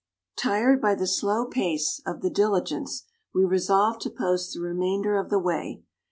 Tired by the slow pace of the dili gence, we resolved to post the remain der of the way.